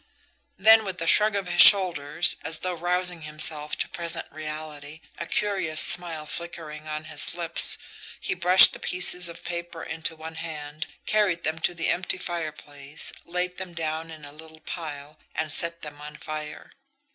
Then with a shrug of his shoulders, as though rousing himself to present reality, a curious smile flickering on his lips, he brushed the pieces of paper into one hand, carried them to the empty fireplace, laid them down in a little pile, and set them afire.